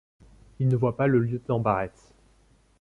Ils ne voient pas le lieutenant Barrett.